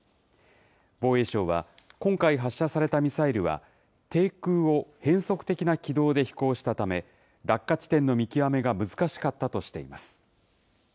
防衛省は、今回発射されたミサイルは、低空を変則的な軌道で飛行したため、落下地点の見極めが難しかったとしています。